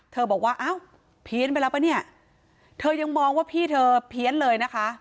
บอกว่าอ้าวเพี้ยนไปแล้วป่ะเนี่ยเธอยังมองว่าพี่เธอเพี้ยนเลยนะคะ